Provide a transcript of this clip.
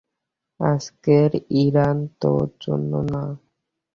আজকের ইরান তোর জন্য না।